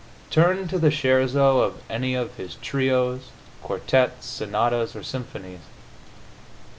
Turn to the scherzo of any of his trios, quartets, sonatas or symphonies.